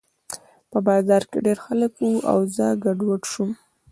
په بازار کې ډېر خلک وو او زه ګډوډ شوم